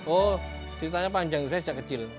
oh ceritanya panjang saya sejak kecil